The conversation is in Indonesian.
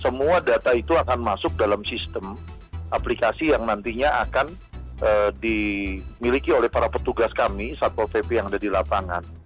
semua data itu akan masuk dalam sistem aplikasi yang nantinya akan dimiliki oleh para petugas kami satpol pp yang ada di lapangan